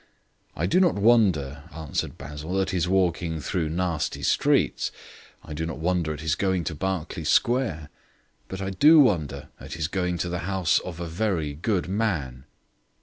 "I do not wonder," answered Basil, "at his walking through nasty streets; I do not wonder at his going to Berkeley Square. But I do wonder at his going to the house of a very good man."